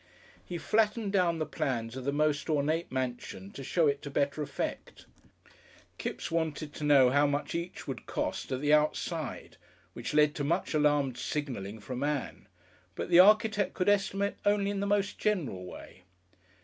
He flattened down the plans of the most ornate mansion to show it to better effect. Kipps wanted to know how much each would cost "at the outside," which led to much alarmed signalling from Ann. But the architect could estimate only in the most general way.